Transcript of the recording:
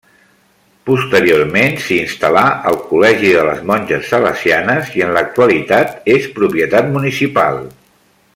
Posteriorment s'hi instal·là el Col·legi de les Monges Salesianes i en l'actualitat és propietat municipal.